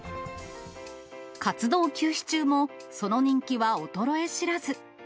活動休止中もその人気は衰え知らず。